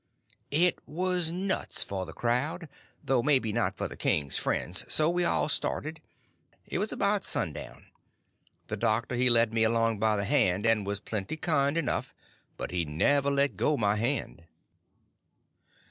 It was nuts for the crowd, though maybe not for the king's friends; so we all started. It was about sundown. The doctor he led me along by the hand, and was plenty kind enough, but he never let go my hand.